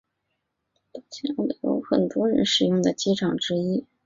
奥尔堡机场是北欧最多人使用的机场之一。